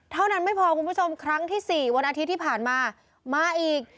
เท่านั้นไม่พอคุณผู้ชมครั้งที่สี่วันอาทิตย์ที่ผ่านมามาอีก